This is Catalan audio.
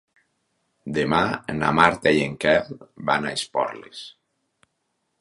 Demà na Marta i en Quel van a Esporles.